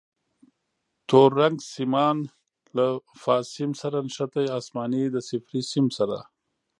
تور رنګ سیمان له فاز سیم سره نښتي، اسماني د صفري سیم سره.